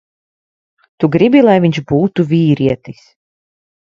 Tu gribi, lai viņš būtu vīrietis.